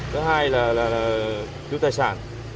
thứ hai là cứu tài sản